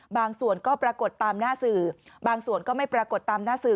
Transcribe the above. บางส่วนก็ปรากฏตามหน้าสื่อบางส่วนก็ไม่ปรากฏตามหน้าสื่อ